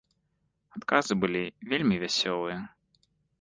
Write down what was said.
Адказы былі вельмі вясёлыя.